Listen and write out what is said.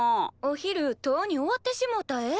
お昼とうに終わってしもうたえ。